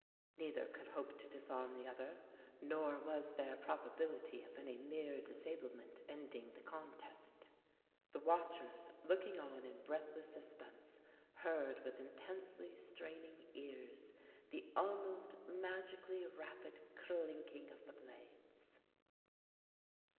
Neither could hope to disarm the other, nor was there probability of any mere disablement ending the contest. The watchers, looking on in breathless suspense, heard with intensely straining ears the almost magically rapid clinking of the blades.